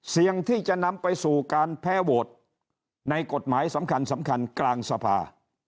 เสี่ยงที่จะนำไปสู่การแพ้โหวตในกฎหมายสำคัญสำคัญกลางสภา